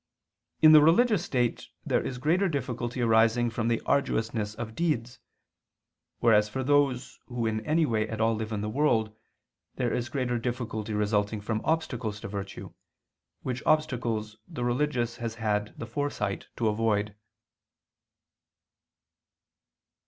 In the religious state there is greater difficulty arising from the arduousness of deeds; whereas for those who in any way at all live in the world, there is greater difficulty resulting from obstacles to virtue, which obstacles the religious has had the foresight to avoid.